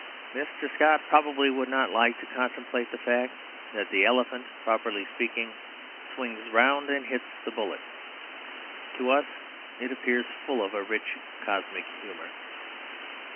Mr. Scott probably would not like to contemplate the fact that the elephant, properly speaking, swings round and hits the bullet. To us it appears full of a rich cosmic humour.